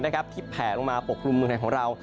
ที่แผ่ลงมาปกลุ่มเมืองในของเรา